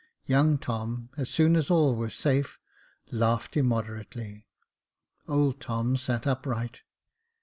Young Tom, as soon as all was safe, laughed immoderately. Old Tom sat upright.